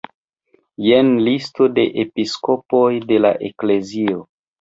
Jen listo de episkopoj de la eklezio.